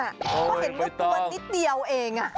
เขาเห็นว่าตัวนิดเดียวเองอ่ะโอ้ยไม่ต้อง